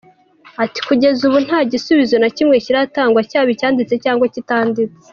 Ati “Kugeza ubu nta gisubizo na kimwe kiratangwa cyaba icyanditse cyangwa kitanditse.